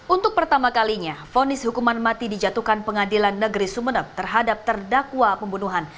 untuk pertama kalinya fonis hukuman mati dijatuhkan pengadilan negeri sumeneb terhadap terdakwa pembunuhan